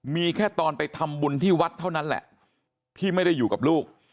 มีแค่ตอนไปทำบุญที่วัดเท่านั้นแหละที่ไม่ได้อยู่กับลูก